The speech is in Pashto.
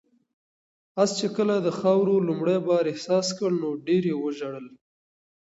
آس چې کله د خاورو لومړی بار احساس کړ نو ډېر یې وژړل.